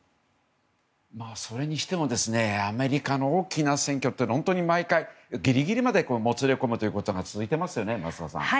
それにしてもアメリカの大きな選挙というのは本当に毎回ギリギリまでもつれ込むということが続いていますよね、増田さん。